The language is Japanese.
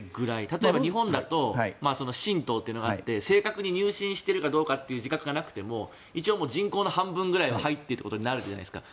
例えば日本だと神道というのがあって正確に入信しているかどうかという自覚がなくても一応人口の半分ぐらいは入っているということになるじゃないですか。